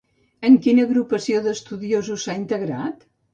En quina agrupació d'estudiosos s'ha integrat?